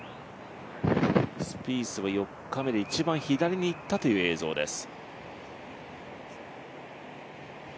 スピースは４日目で一番左にいったという映像です。